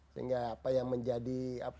sehingga apa yang menjadi